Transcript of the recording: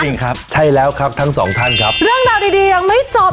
จริงครับใช่แล้วครับทั้งสองท่านครับเรื่องราวดีดียังไม่จบ